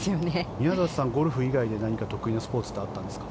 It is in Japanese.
宮里さんゴルフ以外で得意なスポーツってあったんですか？